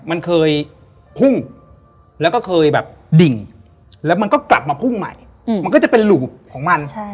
มันเคยพุ่งแล้วก็เคยแบบดิ่งแล้วมันก็กลับมาพุ่งใหม่มันก็จะเป็นหลูบของมัน